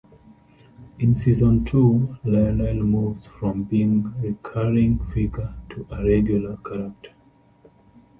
In season two, Lionel moves from being recurring figure to a regular character.